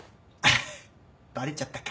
バレちゃったか。